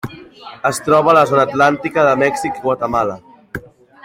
Es troba a la zona atlàntica de Mèxic i Guatemala.